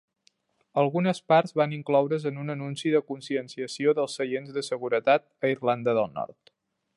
Algunes parts van incloure's en un anunci de conscienciació dels seients de seguretat a Irlanda del Nord.